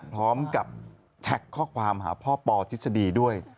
พร้อมกับแท็กข้อความหาพ่อปอทฤษฎีด้วย